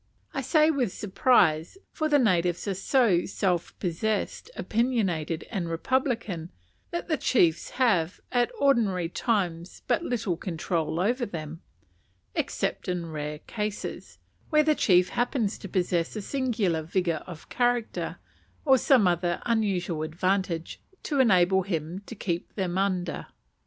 I say with surprise, for the natives are so self possessed, opinionated, and republican, that the chiefs have at ordinary times but little control over them; except in very rare cases, where the chief happens to possess a singular vigour of character, or some other unusual advantage, to enable him to keep them under.